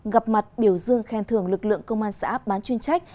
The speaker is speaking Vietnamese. gặp mặt biểu dương khen thưởng lực lượng công an xã bán chuyên trách